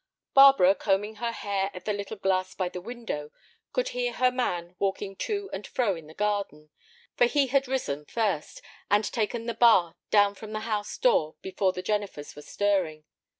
Barbara, combing her hair at the little glass by the window, could hear her man walking to and fro in the garden; for he had risen first, and taken the bar down from the house door before the Jennifers were stirring.